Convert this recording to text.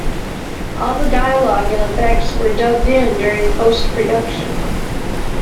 All of the dialogue and effects were dubbed in during post-production.